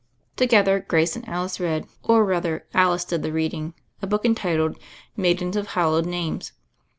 Together, Grace and Alice read — or, rather, Alice did the reading — a book entitled '^Maidens of Hallowed Names."